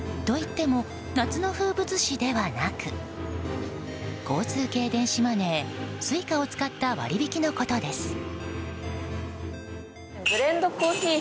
といっても、夏の風物詩ではなく交通系電子マネーＳｕｉｃａを使った割引きのことです。